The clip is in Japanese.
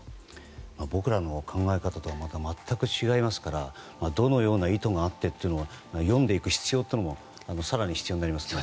僕らの考え方とは全く違いますからどのような意図があってというのは読んでいく必要も更に必要になりますね。